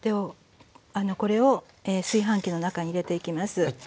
これを炊飯器の中に入れていきます。